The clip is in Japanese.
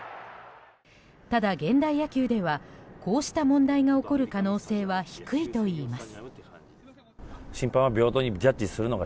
ただ、現代野球ではこうした問題が起こる可能性は低いといいます。